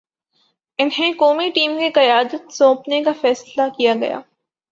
انہیں قومی ٹیم کی قیادت سونپنے کا فیصلہ کیا گیا۔